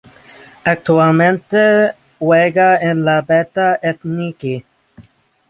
Actualmente juega en la Beta Ethniki.